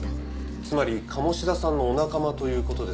つまり鴨志田さんのお仲間という事ですね？